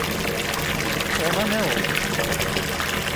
Ona ne oldu?